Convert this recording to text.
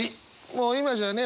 もう今じゃね